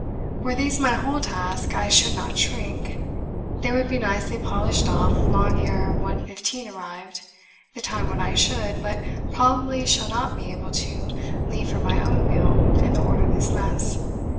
Were these my whole task I should not shrink. They would be nicely polished off long ere one fifteen arrived the time when I should (but probably shall not be able to) leave for my own meal in the orderlies' mess.